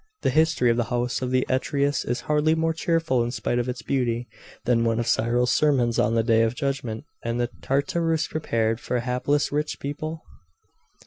The history of the house of Atreus is hardly more cheerful, in spite of its beauty, than one of Cyril's sermons on the day of judgment, and the Tartarus prepared for hapless rich people?